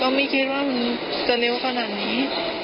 ก็ไม่คิดว่ามันจะเร็วกว่านั้นนี้